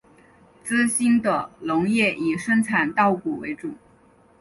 资兴的农业以生产稻谷为主。